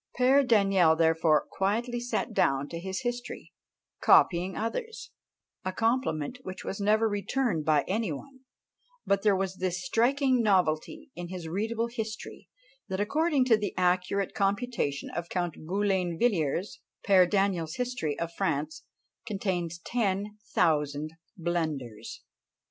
Père Daniel, therefore, "quietly sat down to his history," copying others a compliment which was never returned by any one: but there was this striking novelty in his "readable history," that according to the accurate computation of Count Boulainvilliers, Père Daniel's history of France contains ten thousand blunders!